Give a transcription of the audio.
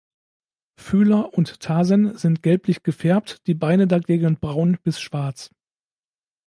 Fühler und Tarsen sind gelblich gefärbt, die Beine dagegen braun bis schwarz.